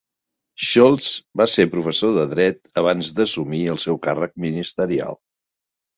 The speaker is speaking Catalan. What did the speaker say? Scholz va ser professor de dret abans d'assumir el seu càrrec ministerial.